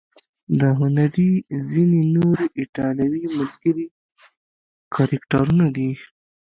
د هنري ځینې نور ایټالوي ملګري فرعي کرکټرونه دي.